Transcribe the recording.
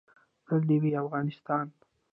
تل دې وي افغانستان